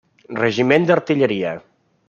Regiment d'Artilleria.